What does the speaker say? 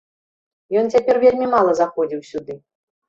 Ён цяпер вельмі мала заходзіў сюды.